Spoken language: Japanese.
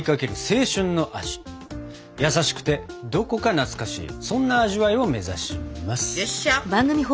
優しくてどこか懐かしいそんな味わいを目指します！